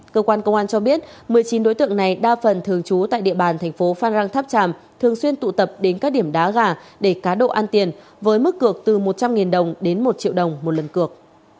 cơ quan công an cho biết một mươi chín đối tượng này đa phần thường trú tại địa bàn thành phố phan rang tháp tràm thường xuyên tụ tập đến các điểm đá gà để cá độ ăn tiền với mức cược từ một trăm linh đồng đến một triệu đồng một lần cược